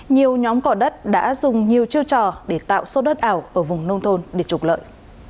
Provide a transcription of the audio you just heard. nhiều nhóm cỏ đất đã dùng nhiều chiêu trò để tạo sốt đất ảo ở vùng nông thôn để trục lợi